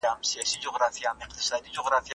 تحقیقي برخه د حقایقو تنده ماتوي.